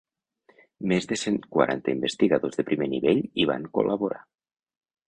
Més de cent quaranta investigadors de primer nivell hi van col·laborar.